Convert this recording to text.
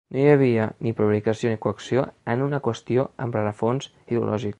No hi havia ni prevaricació ni coacció en una qüestió amb rerefons ideològic.